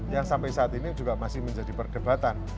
yang sampai saat ini juga masih menjadi perdebatan